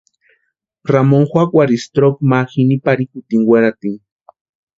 Ramoni juakwarhisti troki ma jini parhikutini weratini.